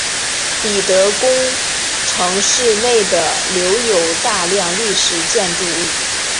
彼得宫城市内的留有大量历史建筑物。